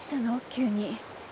急に。